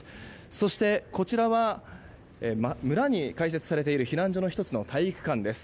そして、こちらは村に開設されている避難所の１つの体育館です。